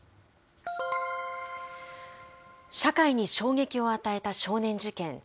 社会に衝撃を与えた少年事件。